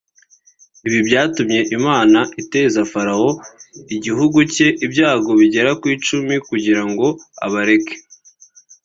Ibi byatumye Imana iteza Farawo n’igihugu cye ibyago bigera ku icumi kugira ngo abareke